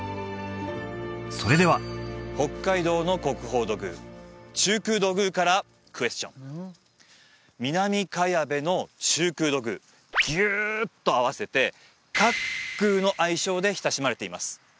それでは北海道の国宝土偶「中空土偶」からクエスチョン南茅部の中空土偶ギューッと合わせて「茅空」の愛称で親しまれています